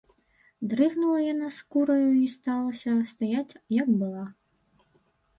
Дрыгнула яна скураю й асталася стаяць, як была.